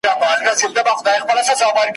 د چنار د وني سیوري ته تکیه سو ,